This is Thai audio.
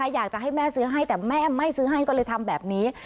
อยากจะให้แม่ซื้อให้แต่แม่ไม่ซื้อให้ก็เลยทำแบบนี้